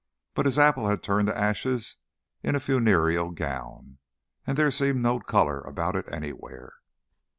But his apple had turned to ashes in a funereal gown, and there seemed no colour about it anywhere.